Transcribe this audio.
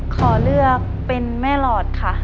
ขอเลือกเป็นแม่หลอดค่ะ